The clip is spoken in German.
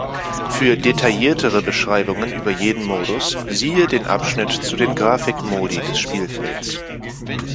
Für detailliertere Beschreibungen über jeden Modus siehe den Abschnitt zu den Graphik-Modi des Spielfelds.